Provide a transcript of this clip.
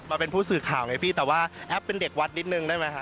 มาเป็นผู้สื่อข่าวไงพี่แต่ว่าแอปเป็นเด็กวัดนิดนึงได้ไหมฮะ